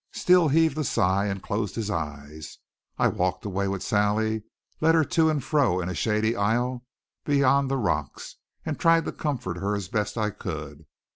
Steele heaved a sigh and closed his eyes. I walked away with Sally, led her to and fro in a shady aisle beyond the rocks, and tried to comfort her as best I could.